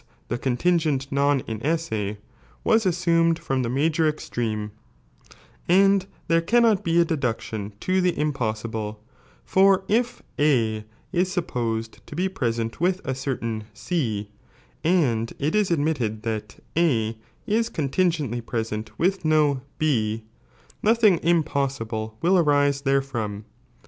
the contingent non inesse) was assumed from the major extreme, and there cannot be a deduction to the impossible, for if A is supposed to be present with a certnin C, and it is admitted that A is contingently present with no B, nothing impossible will arise therefrom.